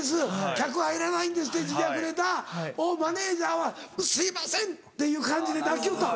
客入らないんです」っていう自虐ネタをマネジャーは「すいません」っていう感じで泣きよったん？